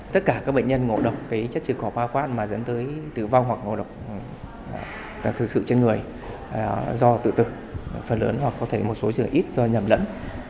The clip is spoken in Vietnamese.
tất cả các bệnh nhân ngộ độc cái chất trừ cỏ paraquat mà dẫn tới tử vong hoặc ngộ độc là thực sự trên người do tự tử phần lớn hoặc có thể một số chữ ít do nhầm lẫn